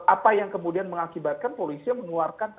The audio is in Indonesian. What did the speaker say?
apa yang kemudian mengakibatkan polisi mengeluarkan